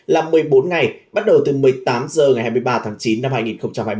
là một mươi bốn ngày bắt đầu từ một mươi tám h ngày hai mươi ba tháng chín năm hai nghìn hai mươi ba